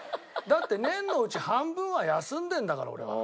だって年のうち半分は休んでんだから俺は。